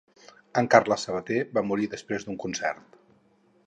En Carles Sabater va morir després d'un concert.